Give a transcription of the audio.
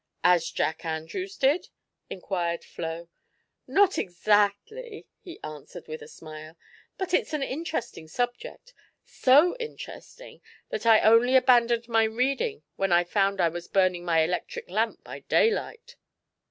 "As Jack Andrews did?" inquired Flo. "Not exactly," he answered with a smile. "But it's an interesting subject so interesting that I only abandoned my reading when I found I was burning my electric lamp by daylight.